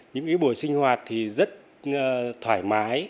những buổi sinh hoạt thì rất thoải mái